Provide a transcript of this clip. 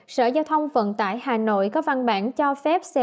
sở giao thông vận tải hà nội có văn bản cho phép xe